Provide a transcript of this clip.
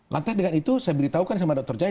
lantas dengan itu saya beritahukan sama dokter jaya